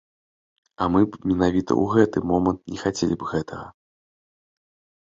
А мы б менавіта ў гэты момант не хацелі б гэтага.